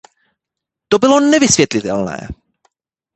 To bylo nevysvětlitelné!